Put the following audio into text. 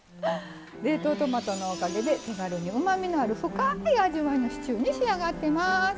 冷凍トマトのおかげで手軽にうまみのある深い味わいのシチューに仕上がってます。